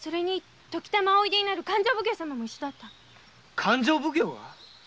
「勘定奉行」が？